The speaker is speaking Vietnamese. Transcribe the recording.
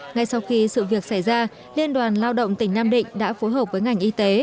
ngay sau khi sự việc xảy ra liên đoàn lao động tỉnh nam định đã phối hợp với ngành y tế